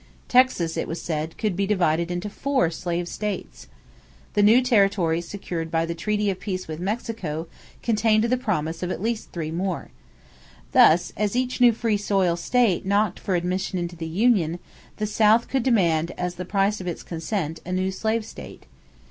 Texas, it was said, could be divided into four slave states. The new territories secured by the treaty of peace with Mexico contained the promise of at least three more. Thus, as each new free soil state knocked for admission into the union, the South could demand as the price of its consent a new slave state.